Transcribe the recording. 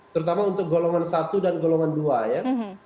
terutama untuk golongan satu dan golongan dua ya